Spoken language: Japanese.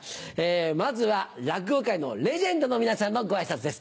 まずは落語界のレジェンドの皆さんのご挨拶です